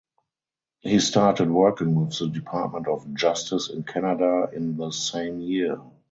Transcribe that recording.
He started working with the Department of Justice in Canada in the same year.